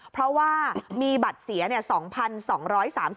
เพราะว่ามีบัตรเสียเนี่ย